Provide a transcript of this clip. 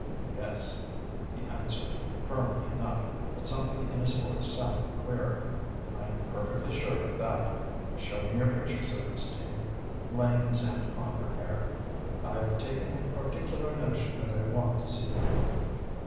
"Yes," he answered, firmly enough, but something in his voice sounded queer, "I'm perfectly sure of that." "Show me your pictures, Ernestine," laying his hand upon her hair; "I've taken a particular notion that I want to see them."